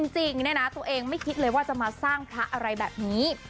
จริงเนี่ยนะตัวเองไม่คิดเลยว่าจะมาสร้างพระอะไรแบบนี้